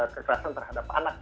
kekerasan terhadap anak